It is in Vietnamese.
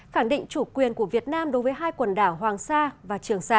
khẳng định chủ quyền của việt nam đối với hai quần đảo hoàng sa và trường sa